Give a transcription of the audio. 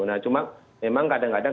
nah cuma memang kadang kadang